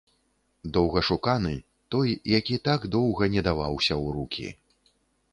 Доўгашуканы, той, які так доўга не даваўся ў рукі.